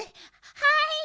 はい。